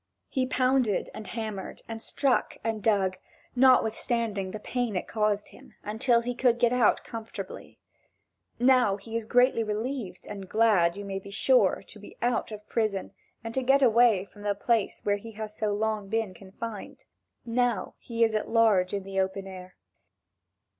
He pounded, and hammered and struck and dug, notwithstanding the pain it caused him, until he could get out comfortably. Now he is greatly relieved and glad, you may be sure, to be out Of prison and to get away from the place where he has been so long confined. Now he is at large in the open air.